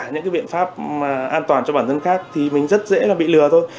những cái biện pháp an toàn cho bản thân khác thì mình rất dễ là bị lừa thôi